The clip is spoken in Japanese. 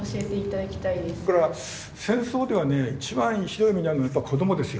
戦争ではね一番ひどい目に遭うのがやっぱ子どもですよ。